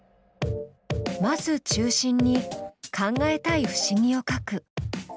まず中心に考えたい不思議を書く。